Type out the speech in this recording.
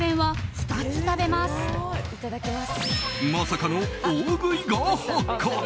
まさかの大食いが発覚。